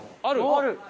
ある？